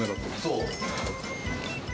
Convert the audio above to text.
そう。